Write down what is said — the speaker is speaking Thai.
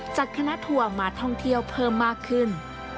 จากคณะทัวร์มาท่องเที่ยวเพิ่มมากขึ้น